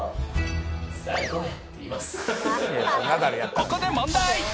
［ここで問題］